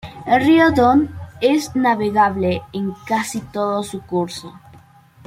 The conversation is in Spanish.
El río Don es navegable en casi todo su curso.